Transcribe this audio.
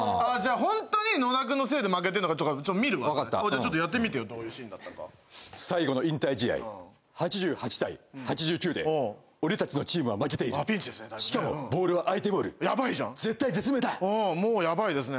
ホントに野田君のせいで負けてるのか見るわちょっとやってみてよどういうシーンだったか最後の引退試合８８対８９で俺たちのチームは負けているしかもボールは相手ボール絶体絶命だもうヤバいですね